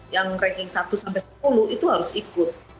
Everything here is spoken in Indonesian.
yang ranking satu sampai sepuluh itu harus ikut